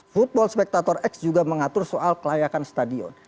football spectator x juga mengatur soal kelayakan stadion